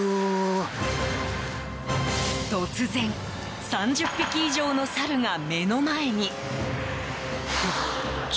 突然、３０匹以上のサルが目の前に。